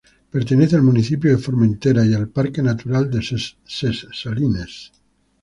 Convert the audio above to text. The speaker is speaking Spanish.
Pertenece al municipio de Formentera y al parque natural de Ses Salines.